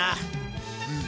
うん。